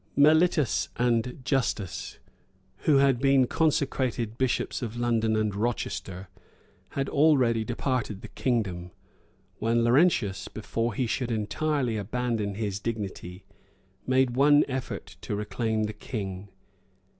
] Mellitus and Justus, who had been consecrated bishops of London and Rochester, had already departed the kingdom,[*] when Laurentius, before he should entirely abandon his dignity, made one effort to reclaim the king.